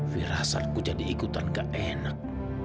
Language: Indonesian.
firasatku jadi ikutan gak enak